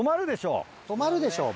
止まるでしょ。